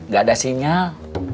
gak ada sinyal